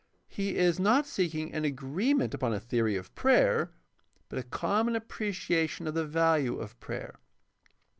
He is not seeking an agreement upon a theory of prayer, but a common appreciation of the value of prayer.